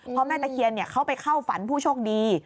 เพราะแม่ตะเคียนเขาไปเข้าฝันผู้โชคดี